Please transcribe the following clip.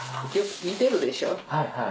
似てるでしょ？